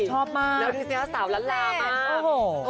ชอบมากนาทิสเซียสสาวล้านลามากโอ้โห